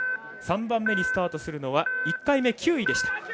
３番目にスタートするのは１回目９位でした。